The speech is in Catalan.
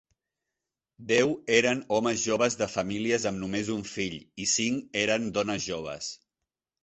Deu eren homes joves de famílies amb només un fill i cinc eren dones joves.